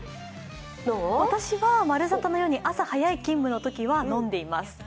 私は「まるサタ」のように朝早い勤務のときは飲んでいます。